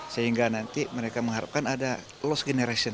sehingga nanti mereka mengharapkan ada lost generation